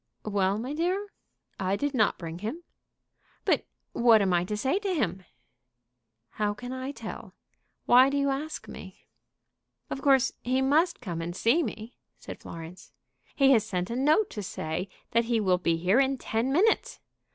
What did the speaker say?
"Well, my dear? I did not bring him." "But what am I to say to him?" "How can I tell? Why do you ask me?" "Of course he must come and see me," said Florence. "He has sent a note to say that he will be here in ten minutes."